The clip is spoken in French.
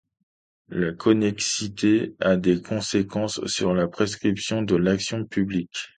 La connexité a des conséquences sur la prescription de l'action publique.